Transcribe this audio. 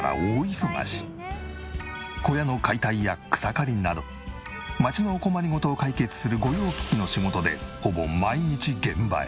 小屋の解体や草刈りなど街のお困り事を解決する御用聞きの仕事でほぼ毎日現場へ。